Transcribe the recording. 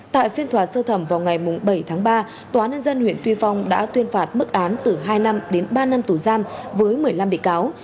tại phiên tòa sơ thẩm vào ngày bảy tháng ba tòa nhân dân huyện tuy phong đã tuyên phạt mức án từ hai năm đến ba năm tù giam với một mươi năm bị cáo